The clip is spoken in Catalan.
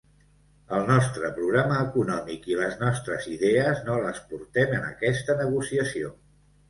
El nostre programa econòmic i les nostres idees no les portem en aquesta negociació.